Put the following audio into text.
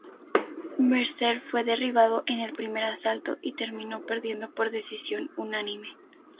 Mercer fue derribado en el primer asalto y terminó perdiendo por decisión unánime.